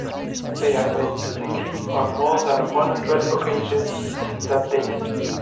They have met publicly on more than one hundred occasions since that date.